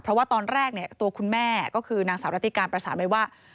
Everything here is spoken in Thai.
เพราะว่าตอนแรกตัวคุณแม่ก็คือนางสาวรัติการประสานไว้ว่า